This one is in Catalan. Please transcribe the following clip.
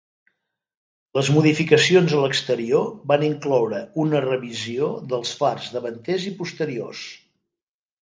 Les modificacions a l'exterior van incloure una revisió dels fars davanters i posteriors.